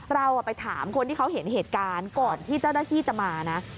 เราไปถามคนที่เขาเห็นเหตุการณ์ก่อนที่เจ้าหน้าที่จะมานะ